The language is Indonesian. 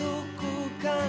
frustrasi aku jahat